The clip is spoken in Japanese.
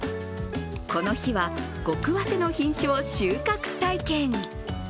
この日は、ごくわせの品種を収穫体験。